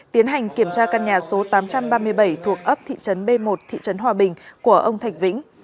tiến hành kiểm tra căn nhà số tám trăm ba mươi bảy thuộc ấp thị trấn b một thị trấn hòa bình của ông thạch vĩnh